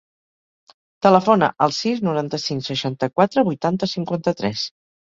Telefona al sis, noranta-cinc, seixanta-quatre, vuitanta, cinquanta-tres.